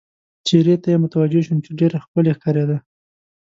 چېرې ته یې متوجه شوم، چې ډېره ښکلې ښکارېده.